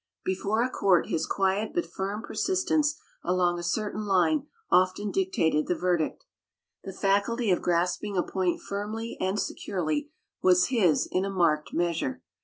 Before a court, his quiet but firm persistence along a certain line often dictated the verdict. The faculty of grasping a point firmly and securely was his in a marked measure.